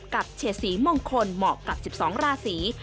เฉดสีมงคลเหมาะกับ๑๒ราศี